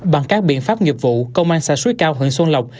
bằng các biện pháp nghiệp vụ công an xã suối cao huyện xuân lộc